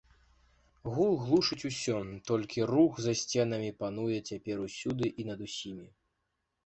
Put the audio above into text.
Гул глушыць усё, толькі рух за сценамі пануе цяпер усюды і над усім.